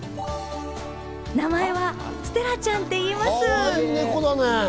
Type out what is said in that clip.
名前はステラちゃんって言います。